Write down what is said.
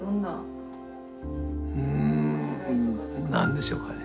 うんなんでしょうかね。